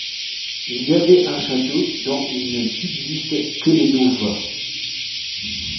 Il y avait un château dont il ne subsiste que les douves.